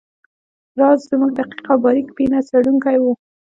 راز زموږ دقیق او باریک بینه څیړونکی وو